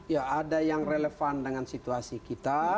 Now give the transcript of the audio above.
ya ada yang relevan dengan situasi kita